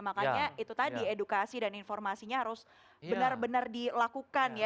makanya itu tadi edukasi dan informasinya harus benar benar dilakukan ya